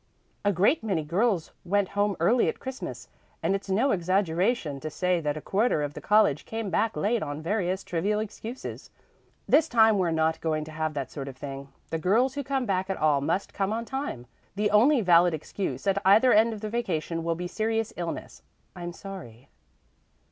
A great many girls went home early at Christmas, and it's no exaggeration to say that a quarter of the college came back late on various trivial excuses. This time we're not going to have that sort of thing. The girls who come back at all must come on time; the only valid excuse at either end of the vacation will be serious illness. I'm sorry."